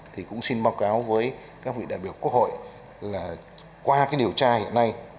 thì cũng xin báo cáo với các vị đại biểu quốc hội là qua cái điều tra hiện nay